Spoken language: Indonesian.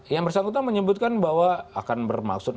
yang bersangkutan menyebutkan bahwa akan bermaksud